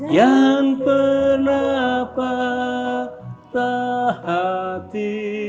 yang pernah patah hati